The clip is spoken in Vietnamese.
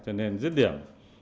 cho nên dứt điểm